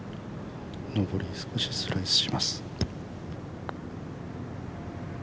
上り、少しスライスします。